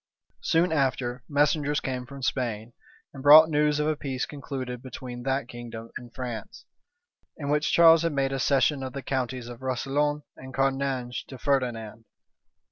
Soon after, messengers came from Spain, and brought news of a peace concluded between that kingdom and France, in which Charles had made a cession of the counties of Roussillon and Cerdagne to Ferdinand.